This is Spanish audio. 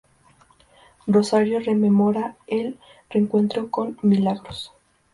Rosario rememora el reencuentro con Milagros.